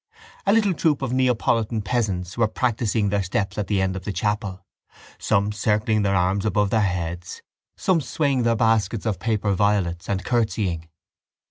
A little troop of Neapolitan peasants were practising their steps at the end of the chapel, some circling their arms above their heads, some swaying their baskets of paper violets and curtseying.